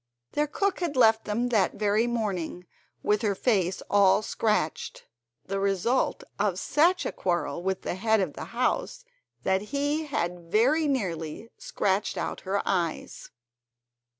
Their cook had left them that very morning, with her face all scratched, the result of such a quarrel with the head of the house that he had very nearly scratched out her eyes.